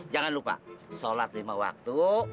jangan lupa sholat lima waktu